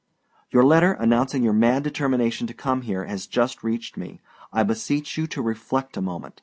Your letter, announcing your mad determination to come here, has just reached me. I beseech you to reflect a moment.